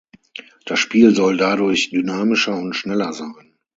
Das Spiel soll dadurch dynamischer und schneller sein.